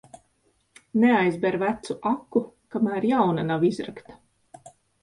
Neaizber vecu aku, kamēr jauna nav izrakta.